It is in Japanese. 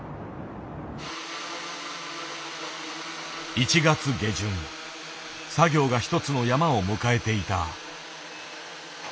１月下旬作業が一つの山を迎えていた。